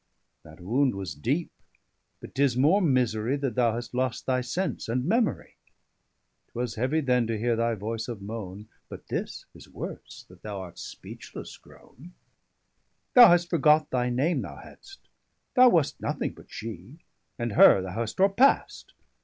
That wound was deep, but 'tis more misery, That thou hast lost thy sense and memory. 'Twas heavy then to heare thy voyce of mone, But this is worse, that thou art speechlesse growne. 30 Thou hast forgot thy name, thou hadst; thou wast Nothing but shee, and her thou hast o'rpast.